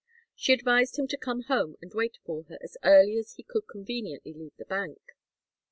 She advised him to come home and wait for her, as early as he could conveniently leave the bank.